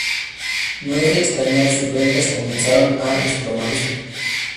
No es de extrañar, sus ventas comenzaron a desplomarse.